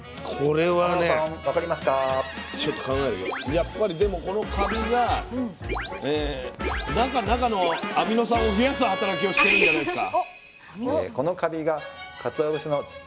やっぱりでもこのカビが中のアミノ酸を増やす働きをしてるんじゃないですか？